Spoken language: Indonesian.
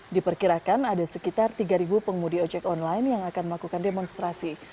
diperkirakan ada sekitar tiga pengemudi ojek online yang akan melakukan demonstrasi